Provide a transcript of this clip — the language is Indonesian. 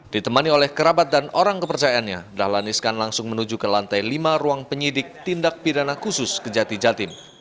ditemani oleh kerabat dan orang kepercayaannya dahlan iskan langsung menuju ke lantai lima ruang penyidik tindak pidana khusus kejati jatim